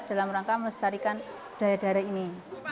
dalam rangka melestarikan daerah daerah ini